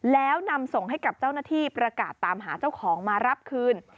แล้วนำส่งให้กับเจ้าหน้าที่ประกาศตามหาเจ้าของมารับคืน